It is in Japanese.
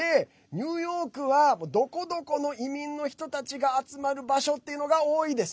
ニューヨークはどこどこの移民の人たちが集まる場合っていうのが多いです。